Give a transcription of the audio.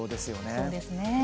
そうですね。